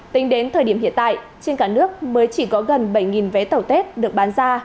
tính đến thời điểm hiện tại trên cả nước mới chỉ có gần bảy vé tàu tết được bán ra